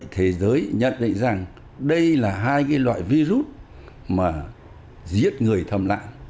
thế giới nhận định rằng đây là hai loại virus mà giết người thầm lặng